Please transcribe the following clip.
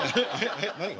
えっ何が？